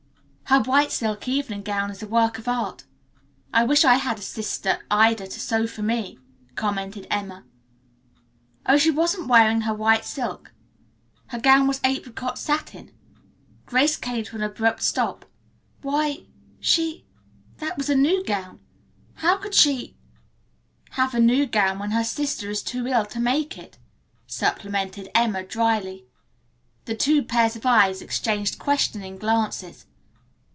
"Her white silk evening gown is a work of art. I wish I had a sister Ida to sew for me," commented Emma. "Oh, she wasn't wearing her white silk. Her gown was apricot satin and " Grace came to an abrupt stop. "Why she that was a new gown. How could she " "Have a new gown when her sister is too ill to make it," supplemented Emma dryly. Two pairs of eyes exchanged questioning glances.